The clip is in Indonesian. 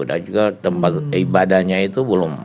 dan juga tempat ibadahnya itu belum